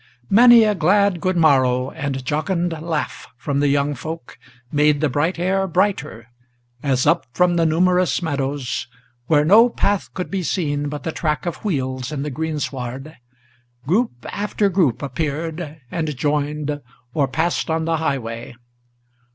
Many a glad good morrow and jocund laugh from the young folk Made the bright air brighter, as up from the numerous meadows, Where no path could be seen but the track of wheels in the greensward, Group after group appeared, and joined, or passed on the highway.